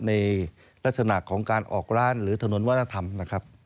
ในลักษณะเป็นออกร้านทหลุนวัญธรรมนะครับ